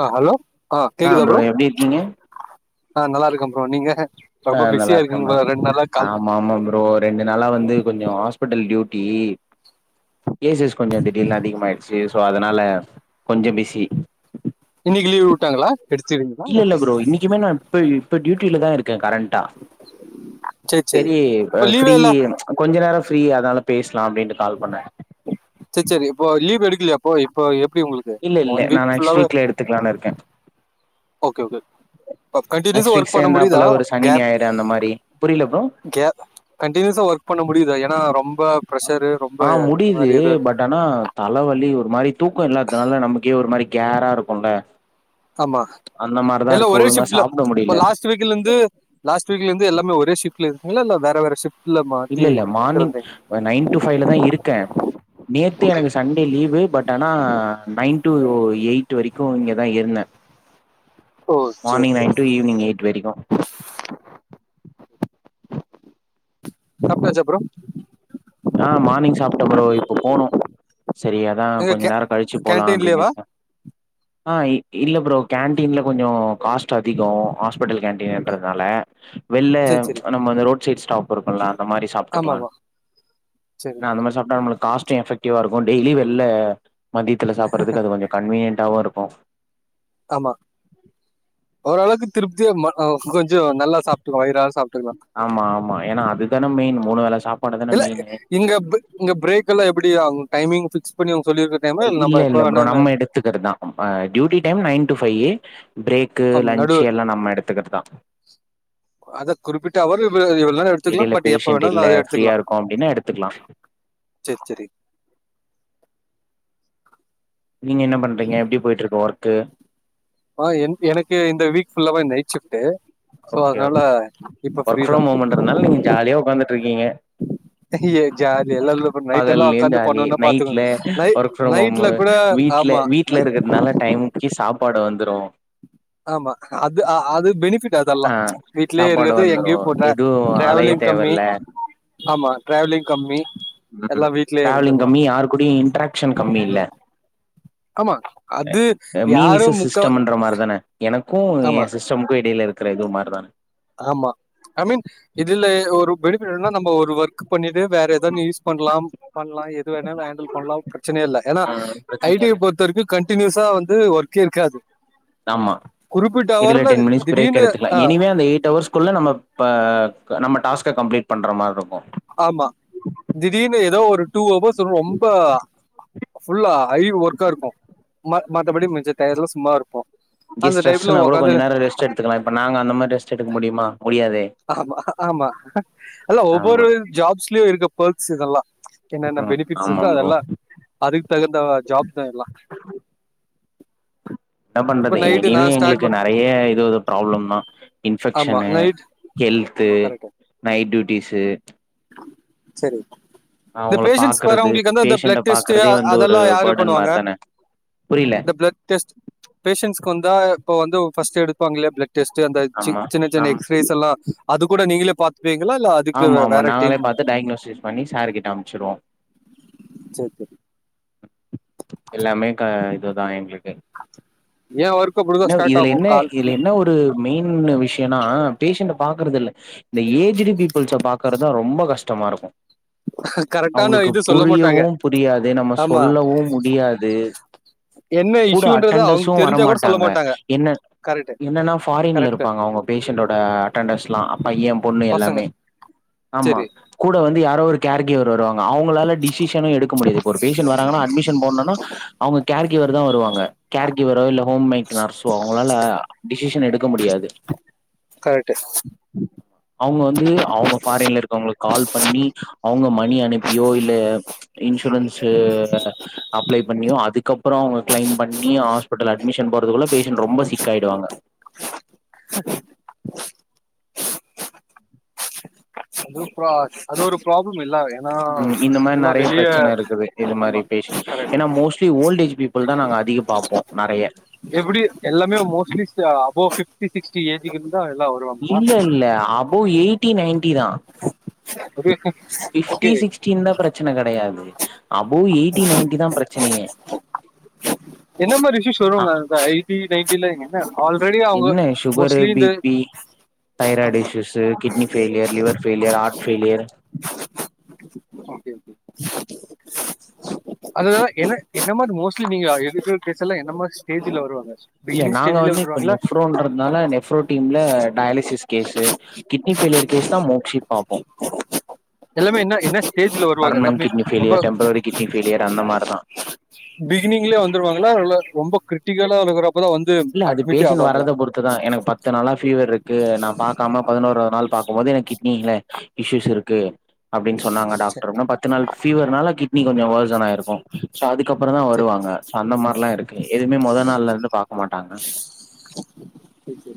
ஆஹ் hello ஆஹ் ஆ கேக்குதா ப்ரோ எப்டி இருக்கீங்க ஆஹ் நல்லா இருக்கே ப்ரோ நீங்க ரொம்ப ஆஹ் நல்லா பிஸியா இருக்கே இருக்கீங்க ப்ரோ போல ரெண்டு நாளா கால் ஆமா ஆமா ப்ரோ ரெண்டு நாளா வந்து கொஞ்சோ ஹாஸ்பிட்டல் டியூட் டி கேஸஸ் கொஞ்சோ திடீர்னு அதிகமாய்டுச்சு சோ அதனால கொஞ்சோ பிஸி இன்னிக்கு லீவ் விட்டாங்களா எடுத்துக்கிறீங்களா இல்ல இல்ல எப்டி ப்ரோ இன்னிக்குமே நா இப்ப டியூட்டில தா இருக் கே கரண்ட்டா சேரி சேரி செரி அப்ப லீவே ஃப்ரீ கொஞ்ச நேரோ ஃப்ரீ அதனால பேச செர் செரி இப்போ லீவ் எடு இல்லியா அப்போ இப்போ எப் இல்ல இல்ல நா நெக்ஸ்ட் வீக்ல எடுத்துக்கலானு இருக்கே ஓகே ஓகே கன்ட்டினியூஸ்ஸா நெக்ஸ்ட் வீக் ஒர்க் பண்ண முடிதா சேந்தாப்புல ஒரு சனி கேப் ஞாயிறு அந்த மாரி புரியல ப்ரோ கே கன்ட்டினியூஸ்ஸா ஒர்க் பண்ண முடிதா ஏன்னா ரொம் ஆஹ் முடிது பட் ஆனா தலவலி ஒரு மாரி தூக்கோ இல்லாதுனால நமக்கே ஒரு மாரி கேரா இருக்கூல ஆமா எல்லா ஒரே ஒழுங்கா ஷிஃப்ட்ல சாப்ட இப்ப முடியல லாஸ்ட் வீக்லந்து லாஸ்ட் டு வீக்லந்து எல்லாமே ஒரே ஷிஃப்ட்ல இருக்கிங்களா இல்ல வேற வேற ஷிஃப்ட் இல்ல இல்ல மார்னிங் நைன் டூ ஃபைவ்ல தா இருக்கே நேத்து ஓகே. எனக்கு சண்டே லீவு பட் ஆனா நைன் டூ எயிட் வரைக்கு இங்கதா இருந்தே ஓ சேரி மார்னிங் சேரி நைன் டு ஈவ்னிங் எயிட் வரைக்கு சாப்டாச்சா ஆஹ் மார்னிங் சாப்ட்டே ப்ரோ இப்ப போனு செரி அதா எங்க கொஞ்ச கே நேரோ கழிச்சு போலா அப்டின்னு கேன்டீன்லயேவா இருக்கே ஆஹ் இல்ல ப்ரோ கேன்டீன்ல கொஞ்சோ காஸ்ட் அதிகோ ஹாஸ் ப்பிட்டல் கேன்டீன்றதுனால வெள்ல சரி சரி ச் நம்ம அந்த ரோட் ஸ் ரீட் ஸ்டாப் இருக்குல அந்த மாரி சாப் ட்டுக்கலானு ஆமாமா சரி ஏனா அந்த சரி மாரி சாப்ட்டா நம்ம காஸ்ட்டு எஃபெக்ட் டிவா இருக்கு‌ டெய்லி வெள்ல மதியத்துல சாப்புறதுக்கு அது கொஞ்சோ கன்வியன்டாவு இரு கு ஆமா ஓரளவுக்கு திருப்தியா மா கொஞ் கொஞ்சோ நல்லா சாப்ட்டுக்கலா வயிறாற சாப்ட்டுக்கலா ஆமா ஆமா ஏன்னா அதுதான மெயின் மூணு வேல சாப் இல்ல இங்க இங்க பிரேக் எல்லாம் எப்டி ஆகும் டைமிங் பிக்ஸ் பண்ணி சொல்லியிருக்க டைம் நம்ம இல்ல இல்ல எப்ப வேணா ப்ரோ என்ன- நம்ம எடுத்துக்கிறதுதான் நம்ம duty time nine to five break ஆம், நடு லன்ச் எல்லாம் நம்ம எடுத்துக்கறதான் அதை குறிப்பிட்ட அவர் இவ்வளவு நேரம் எடுத்துக்கலாம் இதுல பட் எப்ப பேஷன்ட் வேணாலும் இல்ல அதை ஃப்ரீயா எடுத்துக்கலாம் இருக்கும் அப்டின்னா எடுத்துக்கலாம் சரி சரி நீங்க என்ன பண்றீங்க எப்டி போயிட்டு இருக்கு ஒர் கு ஆஹ் என் எனக்கு இந்த வீக் ஃபுல்லாவே night shift okay okay work தான் ப்ரம் ஹேம்முன்றதுனால நீங்க ஜாலியா உக்காந்துட்ருக்கீங்க ஜாலி எல்லாம் நைட் எல்லாம் பகல்லயும் உட்காந்து ஜாலி பண்ணணும்னா நைட்ல பாத்துக்கோங்க நைட் நைட்ல ஒர்க்ப்ரம்ஹோமு கூட வீட்ல ஆமா வீட்ல இருக்கிறதுனால டைம்க்கி சாப் சாப்பாடு வந்துரும் ஆமா அது அது பெனிஃபிட் அதெல்லா அ வீட்லயே சாப்பாடு இருக்கறது வந்துரு எங்கேயு போற எதுவு அலைய டிராவலிங் கம்மி தேவல்ல ஆமா டிராவலிங் கம்மி ம் எல்லா வீட்லயே டிராவலிங் இருந்துக்கலா கம்மி யாரு கூடயு இன்ட்ராக்க்ஷன் கம்மி இல்ல ஆமா அது மீ யாரு விசஸ் முக்கா சிஸ்டம்ன்ற மார் தான எனக்கு எ ஆமா சிஸ்டமுக்கு இடையில இ ருக்கறது மார் தான ஆமா ஐ மீன் இதுல ஒரு பெனிஃபிட் என்னனா நம்ம ஒரு ஒர்க் பண்ணி ட்டு வேற எதோனு யூஸ் பண்லாம் பண்லா எது வேணாலு ஹேண்டில் பண்லா பிரச்சனையே இல்ல ஏனா ஆ ஐ பிரச்சன டி இல்ல ய பொறுத்தவரைக்கு கண் டினியூஸா வந்து ஒர்க்கே இருக்காது ஆமா குறிப்பிட்ட இதுல அவர்ல டென் மினிட்ஸ் பிரேக் திடீர்னு எடுத்துக்லா ஆ எனிவே அந்த எய்ட் அவர்ஸ்க்குல்ல நம்ம ப்ப நம்ம டாஸ்க்க கம்ப்ளீட் பண்ற மார்ருக்கு ஆமா திடீர்னு ஏதோ ஒரு டூ அவர்ஸ் து ரொம்ப ஃபுல்லா ஐ ஒர்க்கா இருக்கு மத் மத்தப்படி மிச்ச டயர்லா சும்மா இருக்கு இங்கெ ஸ்ட்ரெஸ்ஸுனா கூட கொஞ்ச நேரொ ரெஸ்ட் எடுத்துக்கலா இப்ப நாங்க அந்த மாரி ரெஸ்ட் எடுக்க முடியுமா முடியாதே ஆமா ஆமா அல்ல ஒவ்வொரு ஆமா ஜாப்ஸ்லயு இருக்க பல்ஸ் இதெல்லா என்னென்னா ம் பெனிஃபிட்ஸ் ஆமா இருக்கோ ப்ரோ அதெல்லா அதுக் தகுந்த ஜாப் தா எல்லா என்ன இப்ப பண்றது நைட்டு நா எனிவே ஸ்டார்ட் எங்களுக்கு ப நறைய இதுவு ப்ராப்ளம் தா ஆமா இன்ஃபெக்ஷனு நைட் ஹெல் த்து ஆமா கரெக்ட் நைட் ட்யூட்டீஸு சரி இந்த பேஷன்ண்ட்ஸ்க்கு பாக்குறது வரவங்களுக்கு அந்த பேஷண்ட ப்ளட் டெஸ்ட்டு அ பாக்குறதே வந்து ஒரு அதெல்லா யாரு பேர்டன் பண்ணுவாங்க மாரி தான புரியல இந்த ப்ளட் டெஸ் பேஷன்ஸ்க்கு வந்தா இப்போ வந்து ஃபஸ்ட்டு எடுப்பாங்கல்லையா ப்ள டெஸ்ட்டு அந்த சி ஆமா சின்னச் சின்ன ஆம் எக்ஸ்ரேஸ் எல்லா அதுக் கூட நீங்களே பா ஆமா ஆமா நாங்களே பாத்து டயக்னோசிஸ் பண்ணி சார் கிட்ட அம்ச்சிருவோ சரி சரி எல்லாமே க இதுதா எங்ளு ஏ ஒர் என்ன இதுல என்ன இதுல என்ன ஒரு மெயின் ன்னு விஷயொன்னா பேஷண்ட்ட பாக்குறதில்ல இந்த ஏஜ்டு பீப்புள்ஸ பாக்குறதுதா ரொம்ப கஷ்டமா இருக்கு கரெக்டான அவ்ங்களுக்கு இது சொல்ல மாட்டாங்க புரியவு புரியாது நம்ம ஆமா சொல்லவு முடியாது என்ன கூட இஷ்யூன்றது அவங்க அட்டெண்டெர்ஸு தெரிஞ்சா கூட வரமாட் சொல்ல டாங்க மாட்டாங்க என்ன கரெக்ட் என்னன்னா ஃபாரின்ல கரெக்ட் இருப்பாங்க அவ்ங்க பேஷண்ட்டோட அடண்டர்ஸ்லா பைய பொண்ணு பசங்க எல்லாமே ஆமா சரி கூட வந்து யாரோ ஒரு கேர் கிவ்வர் அவ்ங்களால டிசிஷனு எடுக்க முடியாது ஒரு பேஷன்ட் வராங்கனா அட்மிஷன் போட்ணுனா அவ்ங்க கேர் கிவ்வர்தா வருவாங்க கேர் கிவ்வரோ இல்ல ஹோம் மேட் நர்சு அவ்ங்களால டிசிஷன் எடுக்க முடியாது கரெக்ட் அவ்ங்க வந்து அவ்ங்க ஃபாரின்ல இருக்குறவங்களுக் கால் பண்ணி அவுங்க மணி அனுப்பியோ இல்ல இன்சூரன்ஸு அப்ளை பண்ணியோ அதுக் கப்பறோ அவ்ங்க க்ளைம் பண்ணி ஆஸ்பிட்டல் அ அட்மிஷன் போட்றதுக்குள்ள பேஷன்ட் ரொம்ப சிக் ஆயிடுவாங்க ப்ளு க்ராஸ் அது ஒரு பிராப்ளம் இல்லாவே ம் இந்த மாரி நறைய பிரச்சன இருக்குது இது ஆமா மாரி பேஷன் கரெக்ட் ஏன்னா மோஸ்ட்லி ஓல்ட் ஏஜ் பீப்புள் தா நாங்க அதிகம் பாப்போம் நறைய எப்புடி எல்லாமே மோஸ்ட்லி ஸ்டு அபவ் ஃபிஃப்டி சிக்ஸ்டி ஏஜ்ஜிக்கு இருந்து இல்ல இல்ல above eighty ninety தா ஓகே ஓகே ஃபிஃப்டி சிக்ஸ்டி இருந்தா பிரச்சன கடையாது அபவ் எயிட்டி நைன்டி தா பிரச்சனையே என்ன மாரி இஷியுஸ் வருங்க தா எயிட்டி நைன்ட்டிலங்க த என்னன்னே சுகரு பி ப்பி தைராய்டு ஆமா issues kidney failure liver failure heart failure அதுலதா என்ன என்ன மாரி மோஸ்ட்லி நீங்க எடுக்குற எல்லா என்ன மாரி ஸ்டேஜில வருவாங்க இல்ல பிகினிங் நாங்க ஸ்டேஜ்ல வந்து இப்ப வந்துருவாங்களா நெஃப்ரோன்றதுனால நெஃப்ரோ டீம்ல டயாலிசிஸ் கேஸு கிட்னி ஃபெய்லியர் கேஸ்தா மோக்ஷி பாப்போ எல்லாமே என்ன என்ன ஸ்டேஜ்ல வருவாங்க பர்மனன்ட் எல்லாமே கிட்னி ரொம்ப ஃபெயிலியர் டெம்பரரி கிட்னி ஃபெயிலியர் அந்த மாரிதா பிகினிங்லே வந்துருவாங் [unintelligible] ரொம்பொ க்ரிட்டிக்கல இருக்குறப்போதா வந் இல்ல அது பேஷன்ட் வர்றத பொறுத்துதா எனக்கு பத்து நாளா ஃபீவர் இருக்கு நா பாக்காம பதினோராவ் நாள் பாக்கம் போது எனக் கி ட்னியில இஷ்யூஸ் இருக்கு அப்டின் சொன்னாங்க சரி, டாக்ட்ரு இன்னு பத்து நாள் ஃபீவர்னால கிட்னி கொ அபாசனாயிருக்கோ சோ அதுக்கப்றந்தா சரி, வருவாங்க சோ அந்த மாரிலா இருக்கு எ துமே மொத நாள்லேந்து பா போ மாட்டாங்க சரி, சரி.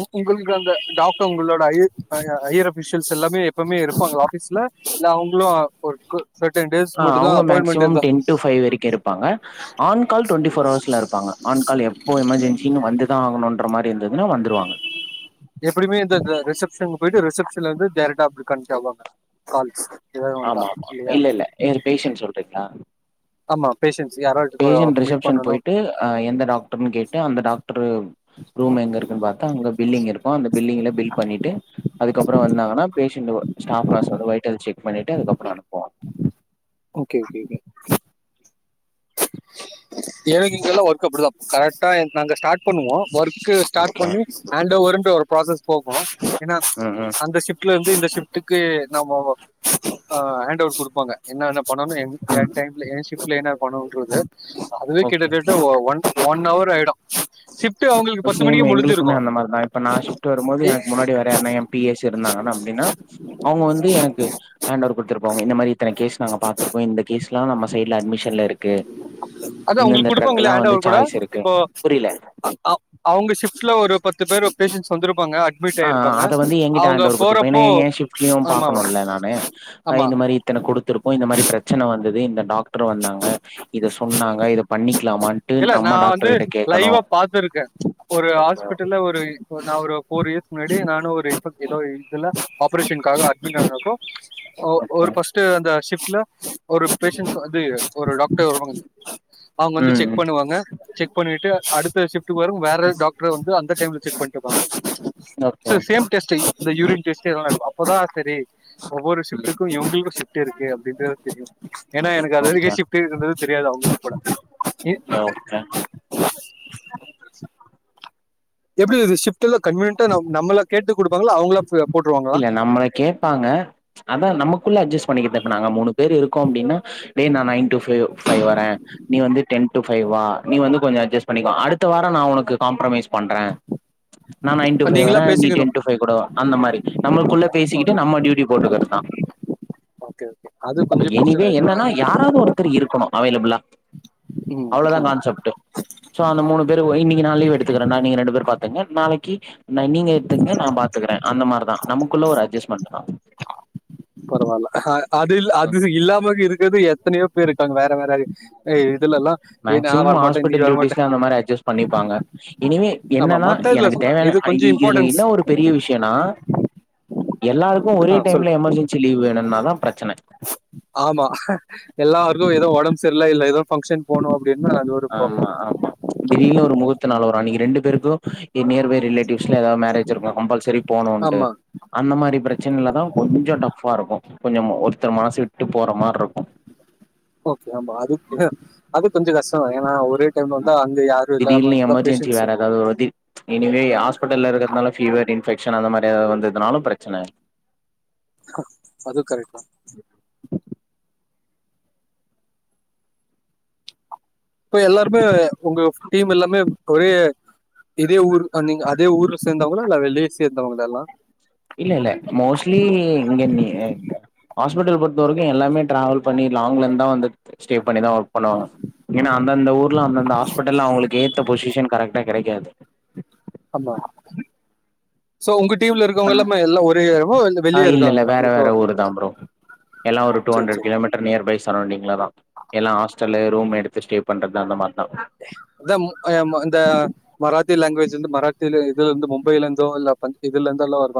உ உங்களுக்கு அந்த டாக்டர் உங்களோட ஐய ஆ ஹையர் அஃபிஷியல்ஸ் எல்லாமே எப்பவ்மே இருப்பா ஆஃபீஸ்ல இல்ல அவங்களூ ஒர்க்கு ஆ அவுங்க மேக்சிமம் டென் டூ ஃபை வரைக்கூ இருப்பாங்க ஆன் கால் டொன்ட்டி ஃபோர் அவர்ஸ்ல இருப்பாங்க ஆன் கால் எப்போ எமர்ஜென்ஸின் வந்துதா ஆகணூன் க்ற மாரி இருந்துதுன்னா வந்துருவாங்க எப்டியுமே இந்தந்த ரிசெப்ஷனுக்கு போயிட்டு ரிசப்ஷன்லேந்து டேரக்டா அப்டி கன்டின்யூ ஆவாங்க கால் ஆமா ஆமா இல்லல்லே ஏர் பேஷன் சொல்றீங்களா ஆமா பேஷண்ட்ஸ் யாராவது இப்போ பேஷண்ட் மீட் ரிசப்ஷன் பண்ணணும் போயிட்டு ஆ எந்த டாக்டர்னு கேட்டு அந்த டாக்டரு ரூம் எங்கருக்குன் பாத்து அங்க பில்லிங் இருக்கூ அந்த பில்லிங்ல பில் பண்ணிட்டு அதுக்கப்றோ வந்தாங்கன்னா பேஷண்ட் ஒ ஸ்டாஃப் வர சொல் வைட்டல் செக் பண்ணிட்டு அதுக்கப்றோ அனுப்புவாங் ஓகே ஓகே ஓகே எனக்கு இங்கல்லா ஒர்க் அப்டிதா கரெக்ட் டா நாங்க ஸ்டாட் பண்ணுவோ ட ஒர்க் ஸ்டாட் ஓகே பண்ணி ஹேண்ட் ஓவருன்ற ஒரு ப்ராசஸ் போகூ ஏனா ம் ம் அந்த ஷிஃப்ட்லேந்து இந்த ஷிஃப்டுக்கு நாமோ ஹேண்ட் ஓவர் குடுப்பாங்க என்னன்னப் பண்ணோன் ஏ ம் டைம்ல ஏ ஷிஃப்ட்ல என்ன அதுவே ஓகே கிட்டத்தட்ட ஓகே ஒ ஒன் ஒன் அவர் ஆயிடூ ஷிஃப் சேம் எங்ளுக்குமே அந்த மாரிதா இப்ப நா ஷிஃப்ட் வரும்போது ஏ, எனக்கு முன்னாடி வர யார்னா ஏ பி எஸ் இருந்தாங்கன்னா அப்டினா அவுங்க வந்து எனக்கு ஹேண்டோவர் குடுத்துட்டு போவாங்க இந்த மாரி இத்தன கேஸ் நாங்க பாத்துருக்கோ இந்த கேஸ் லா நம்ம சைட்ல அட்மிஷன்லருக்கு அதான் இந்தந்த உங்களுக்கு ட்ரக்லா கொடுப்பாங்களே ஹேண்ட் வந்து ஓவர் சாய்ஸ் இருக்கு புரில அவுங்க ஷிஃப்ட்ல ஒரு பத்து பேர் பேஷன்ஸ் வந்துருப் ஆ அத வந்து எங்கிட்ட ஹேண்டோவர் குடுத்துருப்பா ஏனா போறப்போ ஏ ஷிஃப்ட்லயூ ஆமா ஆமா பாக்கணூல நானு ஆ ஆமா இந்த மாரி இத்தன குடுத்துருப்போ இந்த மாரி ப்ரச்சன வந்தது டாக்டர் வந்தாங்க இத சொன்னாங்க இத பண்ணி இல்ல நா வந்து லைவா பாத்துருக்கே ஒரு ஓகே ஹாஸ்பிட்டல்ல ஒரு நா ஒரு ஃபோர் இயர்ஸ் முன்னாடி நானு ஒரு இன்ஃப ஏதோ ஒரு இதுல ஆப்பரேஷன்க்காக அட்மிட் ஆனப்போ ஒ ஓகே ஒரு ஃபஸ்ட்டு அந்த ஷிஃப்ட்ல ஒரு பேஷன்ட்ஸ் அது ஒரு டாக்டர் வருவங்க அவங்க வந்து ம் செக் ம் க செக் பண்ணிட்டு அடுத்த ஷிஃப்ட் ட்டு வரு வேற டாக்ட்ர் வந்து அந் டைம்ல செக் பண்ட்ருப்பாங்க ஓகே சோ சேம் டெஸ்ட்டு இந்த யூரின் டெஸ் டு அப்போதா செரி ஒவ்வொரு ஓகே ம் ஷிஃப்டுக்கு இவ்ங்ள்க்கு ஷிஃப்ட் இருக்கு அப்டின்றது தெரியு ஏன்னா எனக்கு அது ஓகே வரைக்கே ஷிஃப்ட் இருக்குன்றது தெரியாது அவங்கள்க் கூட ஓகே ஓகே எப்டி ஷிஃப்ட் எல்லா கன்வீனன்ட்டா நம் நம்மள கேட்டு குடுப்பாங்ளா அவங்களா போட்டுருவாங்களா இல்ல நம்மள கேப்பாங்க அதா நமக்குள்ள அட்ஜஸ் பண்ணிக்கற்து இப்ப நாங்க மூணு பேரு இருக்கோ அப்டின்னா டே நா நைன் ட்டு ஃபை வரேன் நீ வந்து டென் டு ஃபை வா நீ வந்து கொஞ்சொ அட்ஜஸ் பண்ணிக்க அடுத்த வாரம் நா உனக்கு காம்ப்ரமைஸ் பண்ற நா நைன் டு ஃபை நீங்களா வரேன் நீ பேசிக்கணும் டென் டு ஃபை கூட அந்த மாரி நம்மள்க்குள்ள பேசிகிட்டு ஓகே நம்ம ட்யூட்டி போட் க்கறதா ஓகே ஓகே அது கொஞ்சம் எனி வே பிரச்சனை ஏன்னா என்னனா இ- யாராவது ஒருத்தர் இருக்கணு அவைலப்ல்லா ம், அவ்வளவுதா ஆமா கான்செப்ட் சோ அந்த மூணு பேரு இன்னிக் கி நா லீவு எடுத்துக்குறண்டா நீங்க ரெண்டு பேரும் பாத்துங்க நாளைக்கு நீங்க எடுத்துங்க நா பாத்துக்கிறே அந்த மாரிதா நமக்குள்ள ஒரு அட்ஜஸ்மெண்டு தா பரவால்ல அது இல்ல அது இல்லாம இருக் க்குது எத்தனையோ பேர் இருக்காங்க வேற வேற ஏ மேக்சிமம் ஹாஸ்பிட்டல் டியூட்டிஸ்ல அந்த மாரி அட்ஜஸ்ட் பண்ணிப்பாங்க இனிமே ஆமா என்னன்னா மத்த இதுல எனக்கு சொல்றேன் தேவையான இது கொஞ்சம் இதுல இம்பார்ட்டன்ஸ் என்ன ஒரு பெரிய விஷயம்னா எல்லாருக்கும் ஒரே ஆ சொல்லு டைம்ல எமர்ஜென்சி லீவ் வேணும்னாதா பிரச்சன டம்பு சரியில்ல இல்ல ஏதோ ஃப்பங்கஷன் போனும் அப் ஆமா ஆமா திடீருனு ஒரு முகூர்த்த நாள் வரும் அன்னைக்கு ரெண்டு பேருக்கும் நியர் பை ரிலேட்டிவ்ஸில் ல ஏதாவது மேரேஜ் இருக்கும் கம்பல்சரி போகணுன்ட்டு ஆமா அந்த மாரி பிரச்சனைைல தா கொஞ்சம் டஃபா இருக்கும் கொஞ்சம் ஒருத்தர் மனசு விட்டு போற மாரி இருக்கும் ஓகே ஆமா அது அது கொஞ்சம் கஷ்ட தா ஏன்னா ஒரு திடீருனு எமர்ஜென்சி பேஷன்ஸ் வேற ஏதாவது ஒரு இசு எனி வே ஹாஸ்பிடல்ல இருக்கறதுனால ஃப்பீவர் இன்ஃபெக்ட் [unintelligible] அந்த மாரி எதாது வந்ததுர்ந்துதுனாலு ப்ரச்சன இல் அது கரெக்ட்தா இப்ப எல்லாருமே உங்க டீம் எல்லாமே ஒரே இதே ஊர் அ நீங்க அதே ஊர்ல சேந்தவங்களா இல்ல வெளியே சேந்தவங்களா எல்லா இல்ல இல்ல மோஸ்ட்லி இங்க நி ஹாஸ்பிட்டல் பொறுத்த வரைக்கு எல்லாமே ட்ராவல் பண்ணி லாங்லேந்தா வந்து ஸ்டே பண்ணிதா ஒர்க் பண்ணுவாங்க ஏன்னா அந்தந்த ஊர்லா அந்தந்த ஹாஸ்பிட்டல்ல அவங்களுக்கு ஏத்த பொசிஷன் கரெக்ட்டா கெடைக்காது ஆமா சோ உங்க டீம்ல இருக்கவங்க பண் எல்லாமே எல்லாம் ஒரே இடமா ஆ வெளியே இல்ல இல்ல இருக்காங்களா வேற இப்போ வேற ஊருதா ப்ரோ எல்லா ஒரு டூ சரி ஹண்ட்ரட் சரி கிலோமீட்டர் நியர் பை சரவ்ண்டிங்லதா எல்லா ஹாஸ் டலு ரூம் எடுத்து ஸ்டே பண்றது அந்த மாரிதா அதா மு அ இந்த மராத்தி லாங்குவேஜ் இருந்து மராத்தில இதுல இருந்து மும்பையில இருந்தோ இல்ல பஞ் இதுல இருந்தல்லா வரு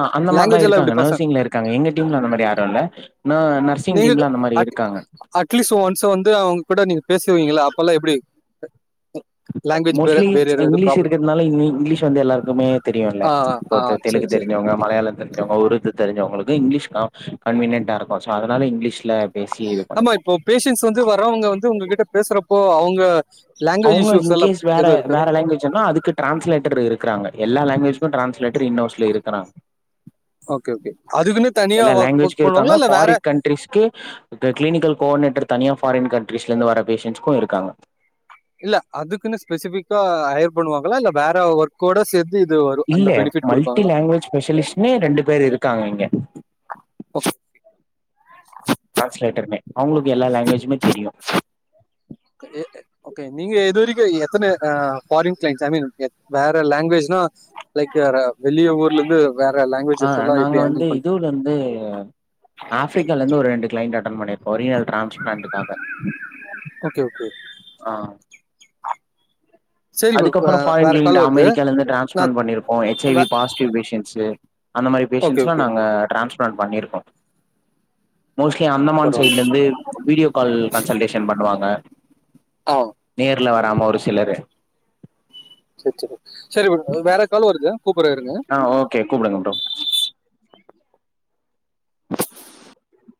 ஆ அந்த மாரிதா இருக்காங்க நர்சிங்ல இருக்காங்க எங்க டீம்ல அந்த மாரி யாரு இல்ல ந நர்சிங் நீங்க டீம்ல அந்த மாரி அட் இருக்காங்க அட்லீஸ்ட் ஒன்ஸ் வந்து அவங்க கூட நீ பேசுவீங்கல்ல அப்பல்லா எப்டி மோஸ்ட்லி இங்கிலீஷ் ப்ராப்ளம் இருக்கிறதுனால இ இங்கிலீஷ் வந்து எல்லாருக்குமே தெரியுல்ல ஆ இப்ப ஆ தெ சரி தெலுகு சரி தெரிஞ்சவங்க மலையாள தெரிஞ்சவங்க உருது தெரிஞ்சவங்களுக்கு இங்கிலீஷ் க கன்வீனியன்டா இருக்கு சோ அதனால இங்கிலீ ஆமா இப்போ பேஷன்ட்ஸ் வந்து வர்றவங்க வந்து உங்ககிட்ட பேசுறப்போ அவங் க அவங்க இன்கேஸ் வேற வேற லங்குவேஜ்னா அதுக்கு டிரான்ஸ்லேட்டர் இருக்றாங்க எல்லா லங்வேஜ்க்கு டிரான்லேட்டர் இன் ஹவுஸ்ல இருக் குறாங்க ஓகே ஓகே அதுக்குன்னு தனியா எல்லா ஒர்க் ஒர்க் லாங்குவேஜ்க்கு இருக்காங்க பண்ணுவாங்களா இல்ல வேற ஃபாரின் கண்ட்ரிஸ்க்கு க கிளினிக்கல் கோஆர்டினேட்டர் தனியா ஃபாரின் கண்ட்ரிஸ்ல இருந்து வர பேஷன்ட்ஸ்க்கு இருக்காங்க இல்ல அதுக்குன்னு ஸ்பெசிஃபிக்கா ஹயர் பண்ணுவா ங்களா இல்ல வேற ஒர் இல்லே மல்ட்டி லேங்வேஜ் ஸ்பெஷலிஸ்ட்னே ரெண்டு பேர் இருக்காங்க இங்க ட்ரான்ஸ்லேட்டருமே அவ்ங்களுக்கு எல்லா லாங்வேஜுமே தெரியு ஓகே நீங்க எது வரைக்கு எ த்தன ஆ ஃபாரின் க்ளைன்ட்ஸ் [unintelligible] வேற லாங்வேஜ்னா லைக் அ ர வெளிய ஊர்லேந்து ஆ நாங்க வந்து இதுவ்லேர்ந்து ஆஃப்ரிக்காலந்து ஒரு ரெண்டு க்ளைண்ட் அட்டன் பண்ணி ஒரியல் டிரான்ஸ்ப்ளான்ட்டுக்காக ஓகே ஓகே ஆ சரி அதுக்கப்பறொ அஹ் ஃபாரின் வேற க்ளைண்ட் கால் வருது அமெரிக்காலர்ந்து ட்ரான்ஸ்ப்ளன்ட் பண்ணிருப்போ எச் ஐ வி நான் பாசிட்டிவ் பேஷண்ஸு அந்த மாரி ஓகே பேஷண்ட்ஸ்லா ஓகே நாங்க ட்ரான்ஸ் ப்ளான் பண்ணிருக்கோ மோஸ்லி அந்தமான் பரவாயில்ல சைட்லேந்து வீடியோ கால் கன்சல்டேஷன் பண்ணுவாங்க ஆ நிய ல வராம ஒரு சிலரு செரி செரி சரி வேற காலு வருது கூப்பறே இருங்க ஆ ஓகே கூப்பிடுங்க ப்ரோ